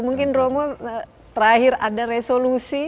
mungkin romo terakhir ada resolusi